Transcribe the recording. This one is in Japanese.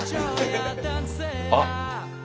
あっ！